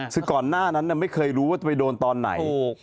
คือก่อนหน้านั้นไม่เคยรู้ว่าจะไปโดนตอนไหน